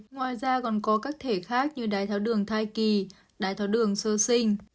ngoài ra còn có các thể khác như đai tháo đường thai kỳ đai tháo đường sơ sinh